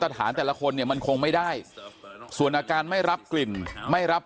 แต่ละคนเนี่ยมันคงไม่ได้ส่วนอาการไม่รับกลิ่นไม่รับ